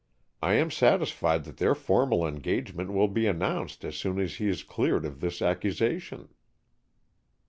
I am satisfied that their formal engagement will be announced as soon as he is cleared of this accusation."